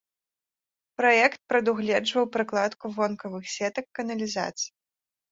Праект прадугледжваў пракладку вонкавых сетак каналізацыі.